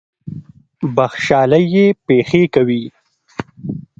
بخْشالۍ یې پېښې کوي.